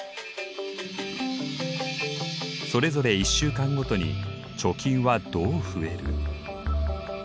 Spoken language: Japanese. それぞれ１週間ごとに貯金はどう増える？